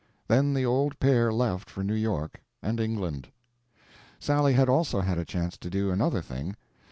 Then the old pair left for New York—and England. Sally had also had a chance to do another thing.